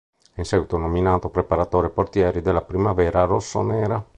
È in seguito nominato preparatore portieri della primavera rossonera.